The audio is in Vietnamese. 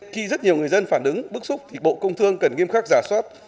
khi rất nhiều người dân phản ứng bức xúc thì bộ công thương cần nghiêm khắc giả soát